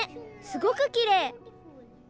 すごくきれい。